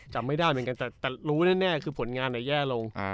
จำไม่ได้เหมือนกันแต่รู้แน่คือผลงานแย่ลง